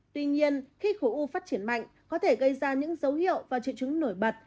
tuy nhiên khi khối u phát triển mạnh có thể gây ra những dấu hiệu và triệu chứng nổi bật